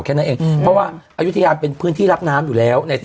แค่นั้นเองเพราะว่าอายุทยาเป็นพื้นที่รับน้ำอยู่แล้ว